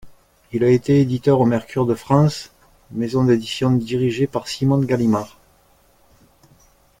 Il a été éditeur au Mercure de France, maison d’édition dirigée par Simone Gallimard.